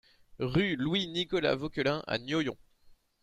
Rue Louis Nicolas Vauquelin à Noyon